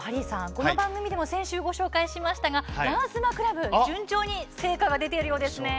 この番組でも先週紹介しましたが「ランスマ倶楽部」順調に成果出ているそうですね。